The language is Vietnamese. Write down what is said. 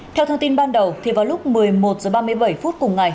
theo thông tin ban đầu vào lúc một mươi một h ba mươi bảy phút cùng ngày